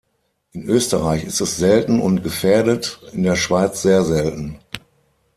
In Österreich ist es selten und gefährdet, in der Schweiz sehr selten.